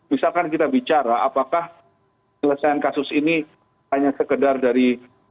misalkan kita bicara apakah penyelesaian kasus ini hanya sekedar dari